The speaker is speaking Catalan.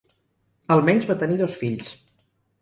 Almenys va tenir dos fills.